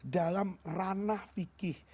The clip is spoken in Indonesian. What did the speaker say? dalam ranah fikih